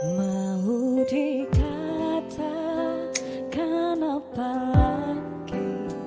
mau dikatakan apa lagi